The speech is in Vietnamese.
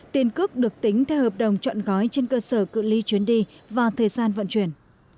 tiền cước được tính theo hợp đồng chọn gói trên cơ sở cự li chuyến đi và thời gian vận chuyển